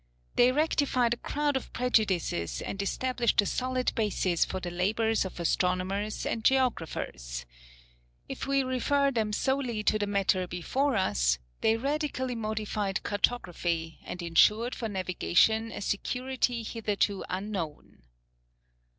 They rectified a crowd of prejudices and established a solid basis for the labours of astronomers and geographers. If we refer them solely to the matter before us, they radically modified cartography, and ensured for navigation a security hitherto unknown.